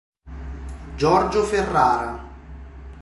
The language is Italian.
Giorgio Ferrara